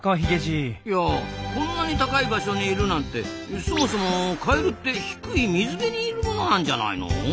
いやこんなに高い場所にいるなんてそもそもカエルって低い水辺にいるものなんじゃないの？